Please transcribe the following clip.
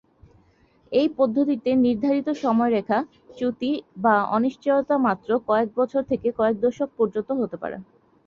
এই পদ্ধতিতে নির্ধারিত সময়রেখা চ্যুতি বা অনিশ্চয়তা মাত্র কয়েক বছর থেকে কয়েক দশক পর্যন্ত হতে পারে।